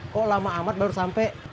kok lama amat baru sampai